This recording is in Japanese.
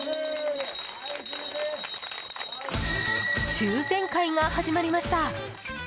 抽選会が始まりました。